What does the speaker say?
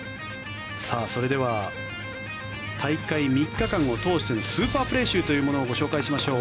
それでは大会３日間を通してのスーパープレー集をご紹介しましょう。